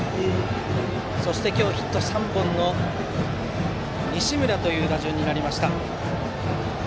そして今日ヒット３本の西村という打順です。